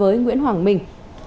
nội dung của nguyễn hoàng minh